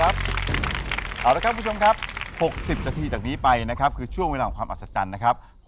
เอาละครับคุณผู้ชมครับ๖๐นาทีจากนี้ไปนะครับคือช่วงเวลาของความอัศจรรย์นะครับ